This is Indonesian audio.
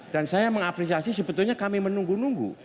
dan saya mengapresiasi sebetulnya kami menunggu nunggu